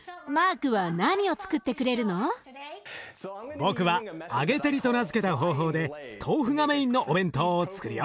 僕は「揚げ照り」と名付けた方法で豆腐がメインのお弁当をつくるよ。